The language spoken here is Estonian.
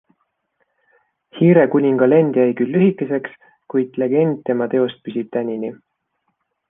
Hiirekuninga lend jäi küll lühikeseks, kuid legend tema teost püsib tänini.